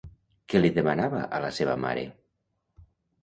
Què li demanava a la seva mare?